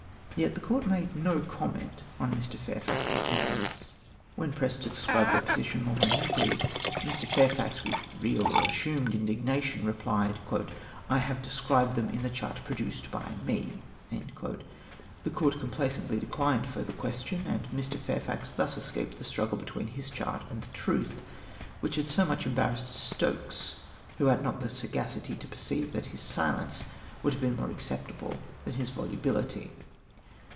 Yet the Court made no comment on Mr. Fairfax's evidence. 74 THE VISIONS ATTEXDIXG IT. When pressed to describe their position more mi nutely, Mr. Fairfax, with real or assumed indignation, replied, "/ have described them in the chart jyroduced by me.'' The Court complacently dechned further ques tion, and j\Ir. Fairfax thus escaped the struggle between his chart and the truth, wliicli had so much em barrassed Stokes, who had not the sagacity to perceive that his silence would have l^een more acceptable than his volubility.